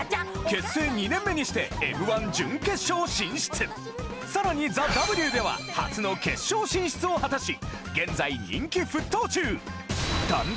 結成２年目にしてさらに『ＴＨＥＷ』では初の決勝進出を果たし現在人気沸騰中！